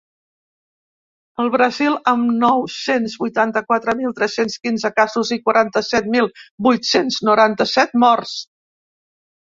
El Brasil, amb nou-cents vuitanta-quatre mil tres-cents quinze casos i quaranta-set mil vuit-cents noranta-set morts.